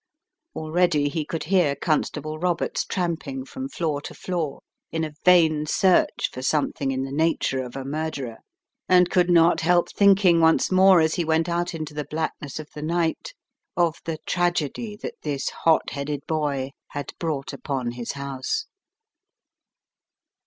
Already he could hear Constable Roberts tramping from floor to floor in a vain search for something in the nature of a murderer, and could not help thinking once more as he went out into the blackness of the night of the tragedy that this hot headed boy had brought upon his house.